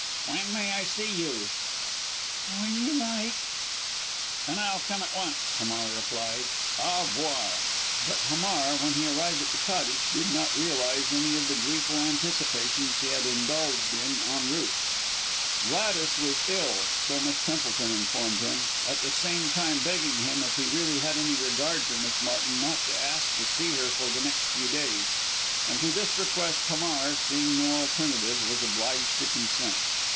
"When may I see you?" "When you like." "Then I'll come at once," Hamar replied. "Au revoir." But Hamar, when he arrived at the Cottage, did not realize any of the gleeful anticipations he had indulged in en route. Gladys was ill so Miss Templeton informed him at the same time begging him, if he really had any regard for Miss Martin, not to ask to see her for the next few days; and to this request Hamar, seeing no alternative, was obliged to assent.